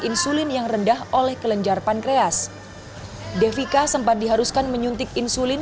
insulin yang rendah oleh kelenjar pankreas devika sempat diharuskan menyuntik insulin